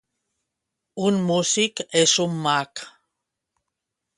Un músic és un mag.